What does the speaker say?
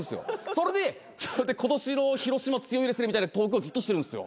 それで今年の広島強いですねみたいなトークをずっとしてるんですよ。